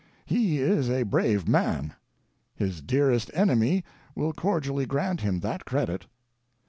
He is a brave man ; his dearest enemy will cordially grant him that credit.